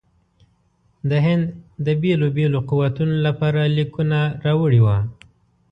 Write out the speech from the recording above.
د هند د بېلو بېلو قوتونو لپاره لیکونه راوړي وه.